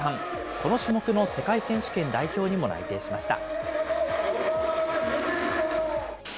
この種目の世界選手権代表にも内定しました。